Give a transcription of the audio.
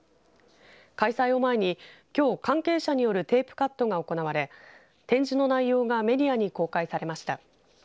開催を前に、きょう関係者によるテープカットが行われ展示の内容がメディアに公開されました。